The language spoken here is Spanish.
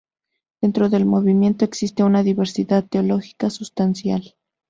Dentro del movimiento existe una diversidad teológica sustancial.